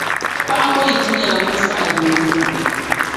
Paɣa ŋɔ yi ti nyɛla ŋun saɣi dooyili kundi.